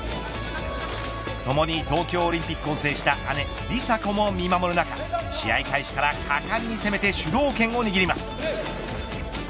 ともに東京オリンピックを制した姉梨沙子も見守る中試合開始から果敢に攻めて主導権を握ります。